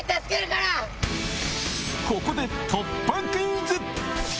ここで突破クイズ！